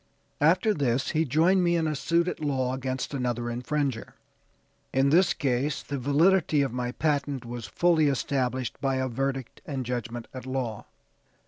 After this he joined me in a suit at law against another infringer. In this case the validity of my patent was fully established by a verdict and judgment at law.